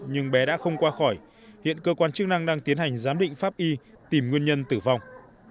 nhưng bé đã không qua khỏi hiện cơ quan chức năng đang tiến hành giám định pháp y tìm nguyên nhân tử vong